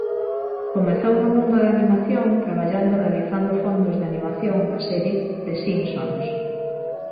Comezou no mundo da animación traballando realizando fondos de animación na serie "The Simpsons".